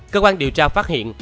cơ quan điều tra phát hiện